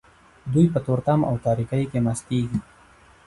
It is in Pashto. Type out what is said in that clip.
دوی په تورتم او تاریکۍ کې مستیږي.